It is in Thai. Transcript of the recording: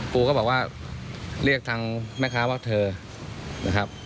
ครูก็บอกว่าเรียกทางแม่ค้าว่าเธอนะครับ